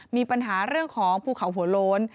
มีปัญหาเรื่องของภูเขาหัวโล้น